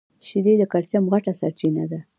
شیدې د کلیسم غټه سرچینه ده.